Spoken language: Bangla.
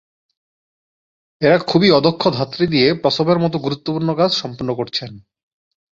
এঁরা খুবই অদক্ষ ধাত্রী দিয়ে প্রসবের মতো গুরুত্বপূর্ণ কাজ সম্পন্ন করছেন।